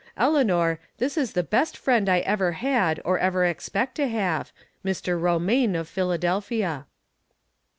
Eleanor, this is the best friend I ever had or ever expect to have, Mr. Romaine, of Pliiladelphia."